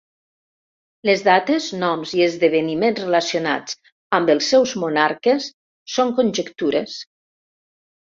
Les dates, noms i esdeveniments relacionats amb els seus monarques són conjectures.